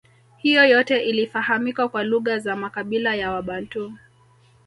Hiyo yote ilifahamika kwa lugha za makabila ya wabantu